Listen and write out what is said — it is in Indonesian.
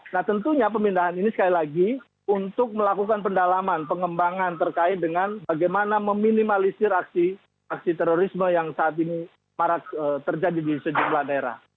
nah tentunya pemindahan ini sekali lagi untuk melakukan pendalaman pengembangan terkait dengan bagaimana meminimalisir aksi terorisme yang saat ini marak terjadi di sejumlah daerah